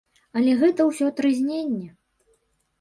Але гэта ўсё трызненне.